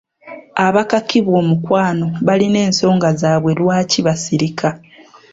Abakakibwa omukwano balina ensonga zaabwe lwaki basirika.